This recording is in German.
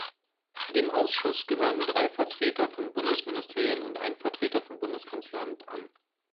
Dem Ausschuss gehören drei Vertreter von Bundesministerien und ein Vertreter vom Bundeskanzleramt an.